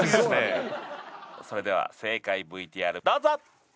それでは正解ＶＴＲどうぞ！